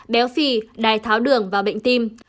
béo phì đài tháo đường và bệnh tim